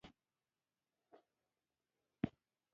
تاسې ترې په اسانۍ کار اخيستلای شئ.